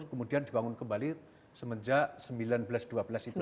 kemudian dibangun kembali semenjak seribu sembilan ratus dua belas itu